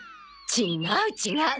違う違う！